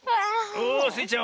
おおスイちゃん